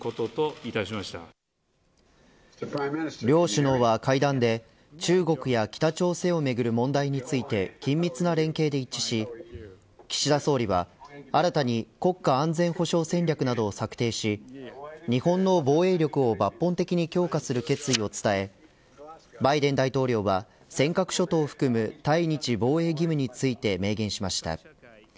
両首脳は会談で中国や北朝鮮をめぐる問題について緊密な連携で一致し岸田総理は国家安全保障戦略などを策定し日本の防衛力を抜本的に強化する決意を伝えバイデン大統領は尖閣諸島を含む対日防衛義務について明言しました。